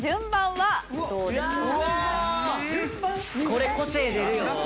これ個性出るよ。